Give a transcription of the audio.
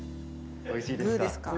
おいしいですか。